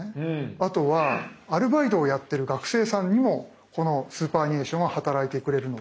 あとはアルバイトをやってる学生さんにもこのスーパーアニュエーションが働いてくれるので。